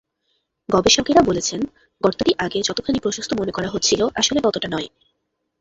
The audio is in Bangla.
গবেষকেরা বলছেন, গর্তটি আগে যতখানি প্রশস্ত মনে করা হচ্ছিল আসলে ততটা নয়।